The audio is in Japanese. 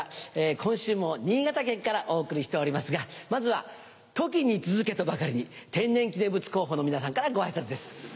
今週も新潟県からお送りしておりますがまずはトキに続けとばかりに天然記念物候補の皆さんからご挨拶です。